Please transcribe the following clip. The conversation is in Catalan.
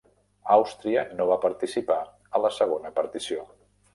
Àustria no va participar a la Segona Partició.